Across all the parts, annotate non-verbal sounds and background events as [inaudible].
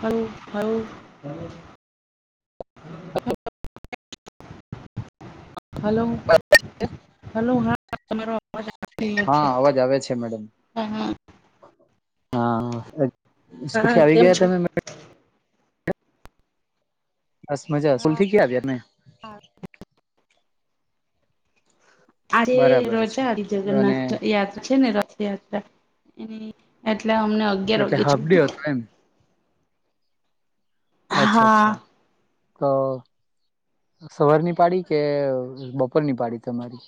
Hello hello [unintelligible] hello. [unintelligible] Hello હા તમારો અવાજ આવી રહ્યો હા છે અવાજ આવે છે મેડમ હા હા. હા [unintelligible] હા સ્કૂલથી આવી કેમ ગ્યા છો તમે. [unintelligible] બસ મજા સુલથી કયા આવ્યા તમે. આવ [unintelligible] આરે બરાબર છે રજા હ અને જગન્નાથ યાદ છે ને રથયાત્ર. એટલે અમને અગિયાર એટલે વાગે છોડી હાફડે હતો દીધી એમ. હા અચ્છા. સવારની પાડી કે બપોર ની પાડી તમારી?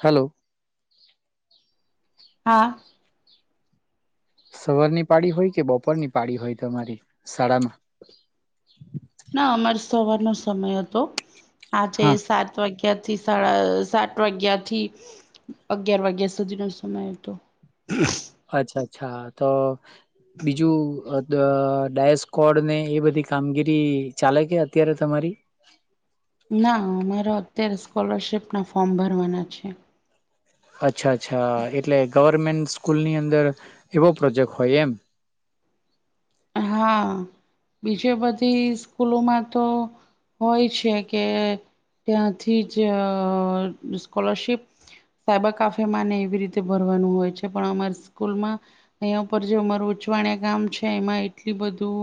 હલો. હા. સવાર ની પાડી હોય કે બપોર ની પાડી હોય તમારી શાળામાં? ના અમાર સવારનો સમય હતો, આજે હા સાત. ગ્યાથીથી સળા સટ વાગ્યાથીથી. અગિયાર વાગ્યા સુધી નો સમય હતો. અચ્છા અચ્છા તો બીજું ડાય સ્કોડ ને એ બધી કામગીરી ચાલે કે અત્યારે તમારી? ના અમારે અત્યારે સ્કોલરશિપના ફોર્મ ભરવાના છે. અચ્છા અચ્છા એટલે ગવર્મેન્ટ સ્કૂલની અંદર, એવો પ્રોજેક્ટ હોય એમ. હા બીજે બધી સ્કૂલોમાં તો હોય છે કે ત્યાંથી જ સ્કોલરશિપ સાયબર કાફે માં ને એવી રીતે ભરવાનું હોય છે પણ અમારી સ્કૂલમાં અંયા ઉપર જો અમારું ઉચવાણિયા ગામ છે એમાં એટલી બધું.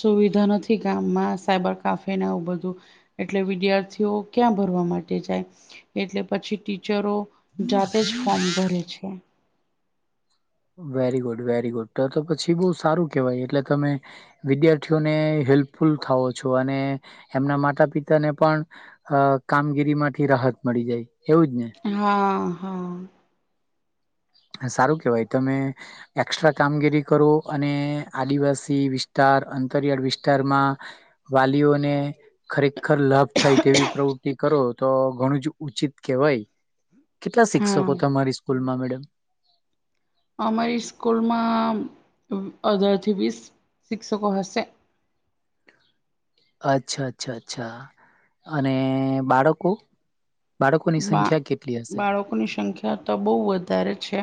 સુવિધા નથી ગામમાં સાયબર કાફેને આવું બધું. એટલે વિદ્યાર્થીઓ ક્યાં ભરવા માટે જાય? એટલે પછી ટીચરો જાતે જ ફોર્મ ભરે છે. વેરી ગુડ વેરી ગુડ તો તો પછી બહુ સારું કેહેવાય એટલે તમે વિદ્યાર્થીઓને હેલ્પફુલ થાવો છો અને, એમના માતા પિતાને પણ અ કામગીરી માંથી રાહત મળી જાય એવું જ ને? હા હા. સારું કેવાય તમે એકક્સ્ટ્રા કામગીરી કરો અને આદિવાસી વિસ્તાર અંતરિયાળ વિસ્તારમાં વાલીઓને ખરેખર લાભ થાય તેવી પ્રવૃતિ કરો તો ઘણું જ ઉચિત કેહેવાય. કેટલા હા શિક્ષકો તમારી સ્કૂલમાં મેડમ? અમારી સ્કૂલમાં અઢારથી વીસ શિક્ષકો હશે. અચ્છા અચ્છા અચ્છા, અને બાળકો? બાળકોની બા સંખ્યા કેટલી હશે બાળકોની સંખ્યા તો બહુ વધારે છે.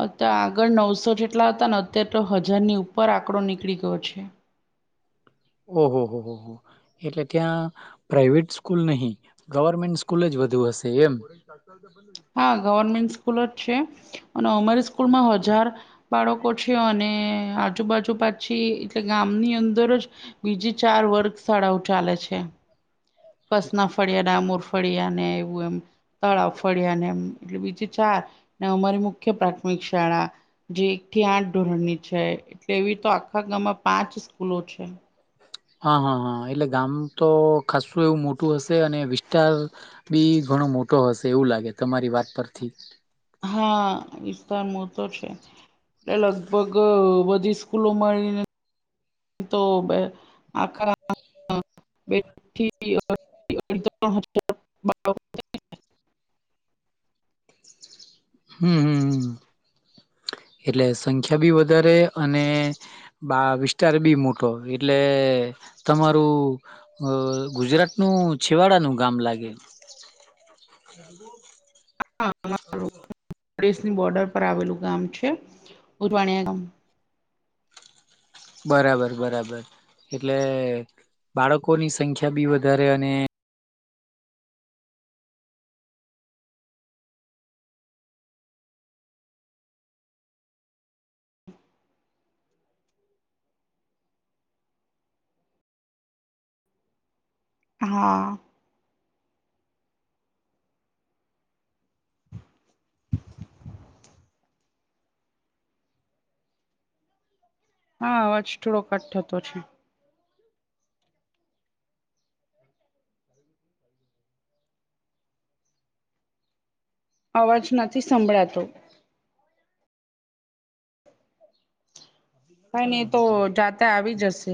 અ તો આગળ નવસો જેટલા હતા ને અત્યારે તો હજારની ઉપર આંકડો નીકળી ગયો છે. ઓ હો હો હો. એટલે ત્યાં પ્રાાઈવેટ સ્કૂલ નહીં, ગવર્મેન્ટ સ્કૂલ જ વધુ હશે એમ. [unintelligible] હા ગવર્મેન્ટ સ્કૂલ જ છે, અને અમરી સ્કૂલમાં હજાર બાળકો છે અને આજુબાજુ પાછી એટલે ગામની અંદર જ બીજી ચાર વર્ગ શાળાઓ ચાલે છે. કસના ફળ્યા ડામોર ફળ્યા ને એવું એમ, તળાવ ફળ્યા ને મ. એટલે બીજે ચાર અમારી મુખ્ય પ્રાથમિક શાળા. જે એક થી આઠ ધોરણની છે એટલે એવી તો આખા ગામમાં પાંચ સ્કૂલો છે. હા હા હા એટલે ગામ તો ખાસું એવું મોટું હશે અને વિસ્તાર બીજ ઘણો મોટો હશે એવું લાગે તમારી વાત પરથી હા વિસ્તાર મોતો છે એ લગભગ બધી કૂલો મળીને તો આખા [unintelligible] [unintelligible] હમ્મ હમ્મ હમ્મ એટલે સંખ્યા બી વધારે અને બા વિસ્તાર બી મોટો એટલે તમારું અહ ગુજરાતનું છીવાડાનું ગામ લાગે [unintelligible] હા. [unintelligible] દેશની બોર્ડર પર આવેલું ગામ છે ઉરવાણિયા ગામ બરાબર બરાબર એટલે બાળકોની સંખ્યા બી વધારે અને હા હા અવાજ થોડો કટ થતો છે. અવાજ નથી સંભળાતો કાઈ નઈ તો જાતે આવી જશે.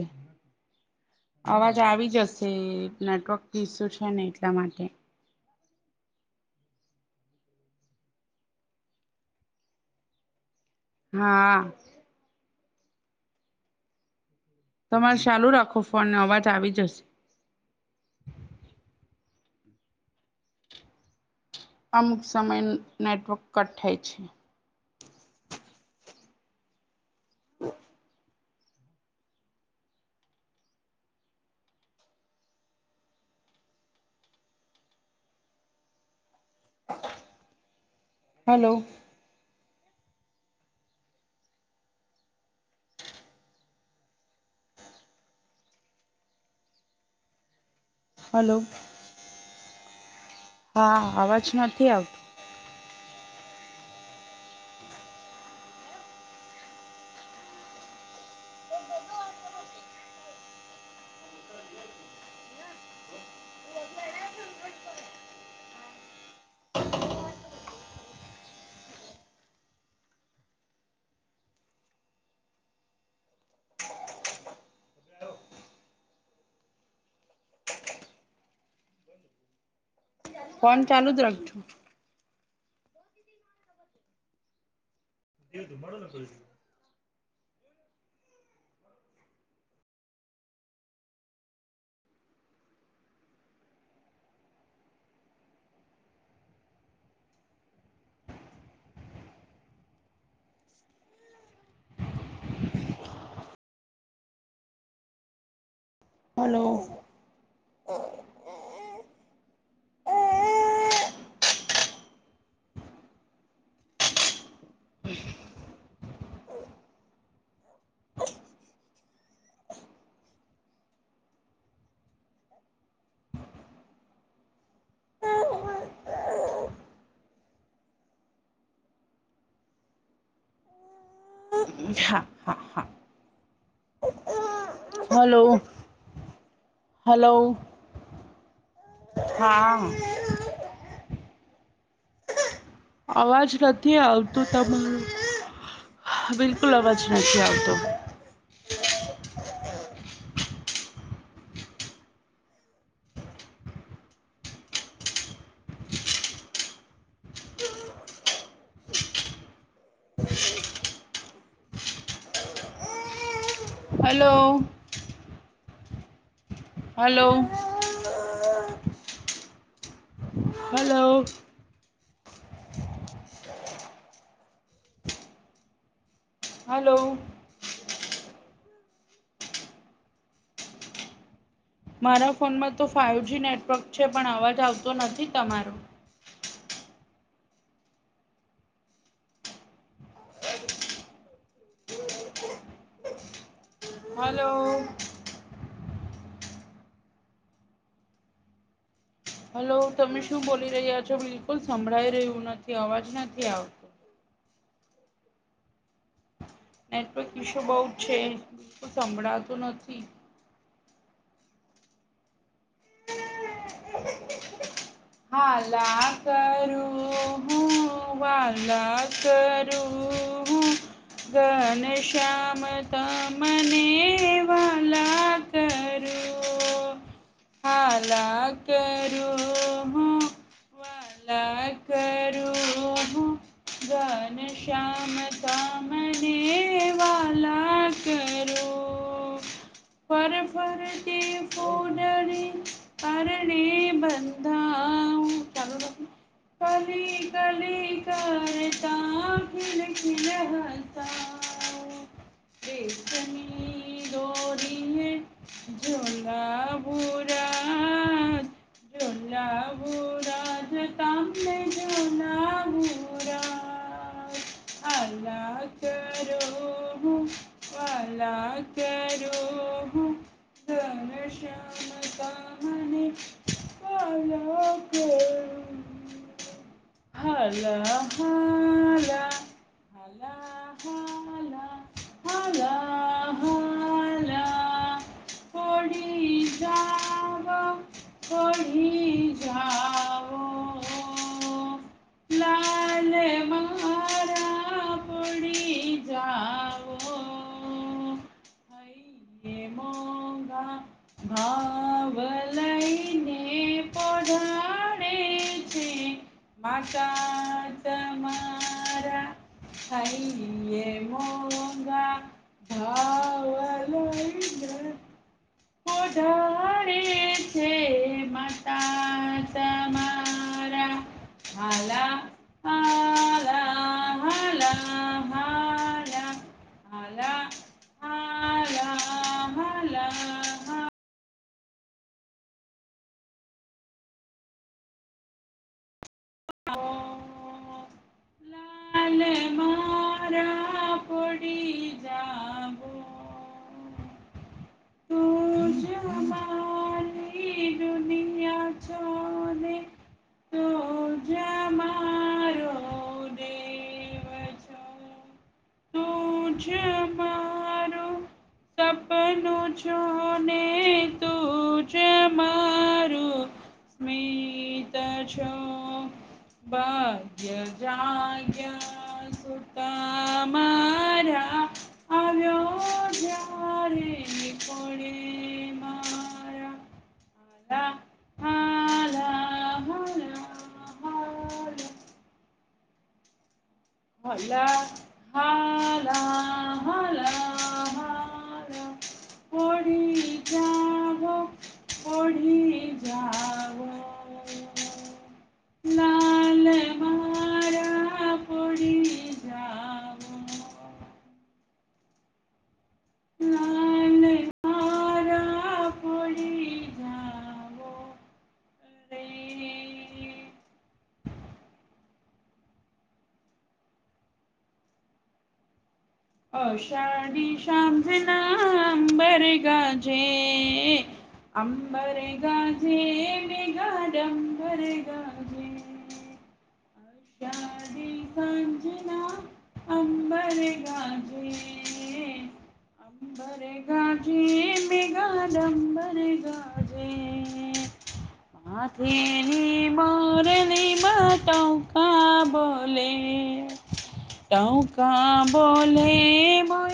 અવાજ આવી જશે નેટવર્ક ઇસ્યૂ છે ને એટલા માટે હા તમારે ચાલું રાખો ફોન અવાજ આવી જશે અમુક સમય નેટવર્ક કટ થાય છે. હ [inaudible] હલો હલો હા અવાજ નથી આવ ફોન ચાલુ જ રાખજો [unintelligible] હલો ઈ હા હા હા હલો હલો હા અવાજ નથી આવતું તમને બિલકુલ અવાજ નથી આવતો હલો હલો હલો હલો મારા ફોનમાં તો ફાઈવજી નેટવર્ક છે પણ અવાજ આવતો નથી તમારો હલો હલો તમે શું બોલી રહ્યા છો બિલકુલ સંભળાઈ રહ્યું નથી અવાજ ક્યાંથી આવે નેટવર્ક ઈશ્યુ બહુ જ છે સંભળાતું નથી હ છે [inaudible] હાલા કરું હું વાલા કરું હું ઘન શ્યામ તમને વાલા ક હ [inaudible] તો હાલા કરુ. લાડ કરું હું. ઘનશ્યામ તમને વાલા કર. રું ફર ફર તે ફૂડરી પરણે બંધાઉ ચાલુ રાખું કલી કલી કરતા ખિલ ખિલ હતા રેશમી દોરી હે ઝોલાવુરાજ ઝોલાવુરાજ તમને હાલા કરો હું વાલા કરો હું ઘનશ્યામ તમને વાલા કરુ. હાલા હાલા હલા હાલા હાલા હ આ છે [inaudible] [unintelligible] થોડી જાવ થોડી જાવ ત્યાં મળી જાઓ. હે મોંઘા ભાવ લઈને પોઢાડે છે. માતા તમારા [unintelligible] મોંઘા ભાવ... [unintelligible] ઓઢા... માતા વાલા હાલા હાલા હા હાલા હા.... [inaudible] ઓમ.... હાલે મારા પોઢી જાવો [inaudible] [unintelligible] તુજ મા. છો ને તું જ મારો દેવ તુ છે મારો [inaudible] [unintelligible] સપનું છોને તું જ મારું મિત્ છો ભાગ્ય જાગ્યા સુતા મારી આવ્યો જ્યારે તે પોડે મારા [inaudible] [inaudible] હાલ હલ હ મારા પોઢી જાવો. પોઢી જાઓ. લાલ મારા પડી જાવો લાલ મારા પોઢી જાવો રે અષાઢી સાંજના અંબર ગાજે અંબર ગાજેે વીગાડંબર ગાજે. કયારે સાંજના અંબર ગાજે. [inaudible] મેઘા ગાજે મેધા ડમ્બર ગાજે... હાથે મે મોરલીમાં બતાઉ કા બોલે ટહુકા બોલે મોર